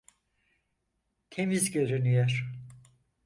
Temiz görünüyor.